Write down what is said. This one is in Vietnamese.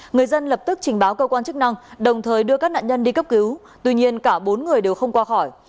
người dân lập tức trình báo cơ quan chức năng đồng thời đưa các nạn nhân đi cấp cứu tuy nhiên cả bốn người đều không qua khỏi